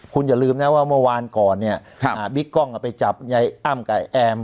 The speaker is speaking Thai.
คุณอย่าลืมนะว่าเมื่อวานก่อนเนี่ยบิ๊กกล้องไปจับยายอ้ำกับแอม